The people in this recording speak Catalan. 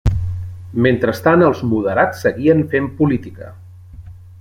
Mentrestant els moderats seguien fent política.